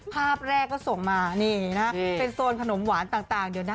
ภาพแรกก็ส่งมานี่นะเป็นโซนขนมหวานต่างเดี๋ยวนะ